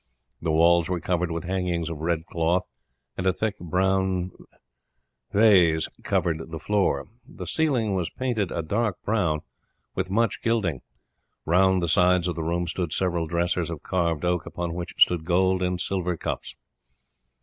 The walls were covered with hangings of red cloth, and a thick brown baize covered the floor. The ceiling was painted a dark brown with much gilding. Round the sides of the room stood several dressers of carved oak, upon which stood gold and silver cups.